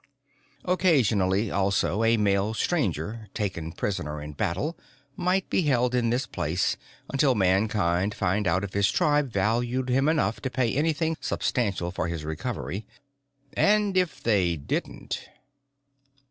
Occasionally, also, a male Stranger, taken prisoner in battle, might be held in this place until Mankind found out if his tribe valued him enough to pay anything substantial for his recovery. And if they didn't....